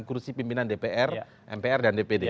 kursi pimpinan dpr mpr dan dpd